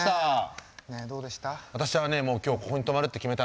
どうでした？